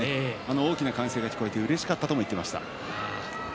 大きな歓声が聞こえてうれしかったと言ってました。